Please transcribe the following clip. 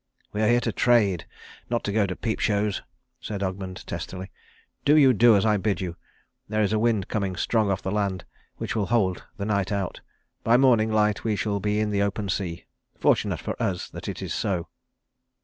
"We are here to trade, not to go to peep shows," said Ogmund testily. "Do you do as I bid you. There is a wind coming strong off the land which will hold the night out. By morning light we shall be in the open sea. Fortunate for us that it is so."